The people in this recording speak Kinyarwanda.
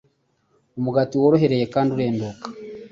umugati worohereye kandi urenduka.